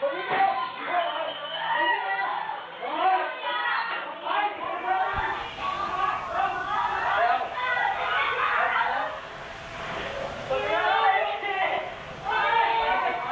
โอ้โฮทำไมเขามาทำแบบนี้อย่างนี้